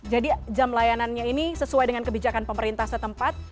jam layanannya ini sesuai dengan kebijakan pemerintah setempat